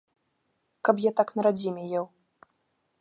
Каб я так на радзіме еў.